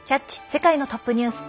世界のトップニュース」。